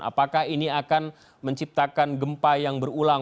apakah ini akan menciptakan gempa yang berulang